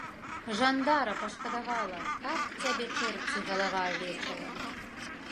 Жандара пашкадавала, каб цябе чэрці, галава авечая.